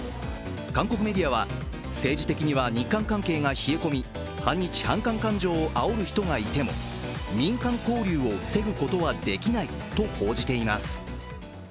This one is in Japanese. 韓国メディアは、政治的には日韓関係が冷え込み反日・反韓感情をあおる人がいても民間交流を防ぐことはできないと報じています。